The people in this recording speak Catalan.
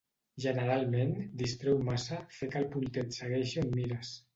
Generalment distreu massa fer que el punter et segueixi on mires.